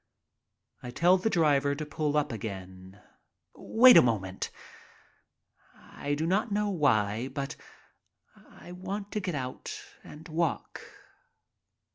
I tell the driver to pull up again. "Wait a moment." I do not know why, but I want to get out and walk.